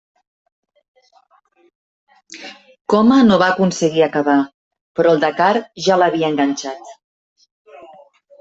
Coma no va aconseguir acabar però el Dakar ja l'havia enganxat.